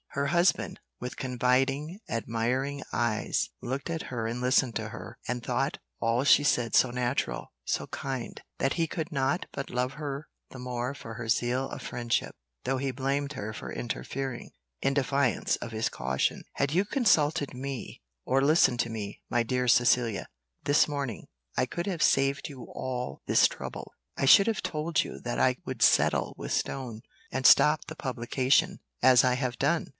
Her husband, with confiding, admiring eyes, looked at her and listened to her, and thought all she said so natural, so kind, that he could not but love her the more for her zeal of friendship, though he blamed her for interfering, in defiance of his caution, "Had you consulted me, or listened to me, my dear Cecilia, this morning, I could have saved you all this trouble; I should have told you that I would settle with Stone, and stop the publication, as I have done."